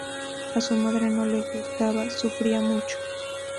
A su madre no le gustaba, sufría mucho.